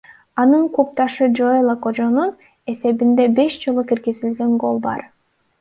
Анын клубдашы Жоэла Кожонун эсебинде беш жолу киргизилген гол бар.